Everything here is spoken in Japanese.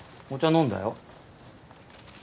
飲んだよ。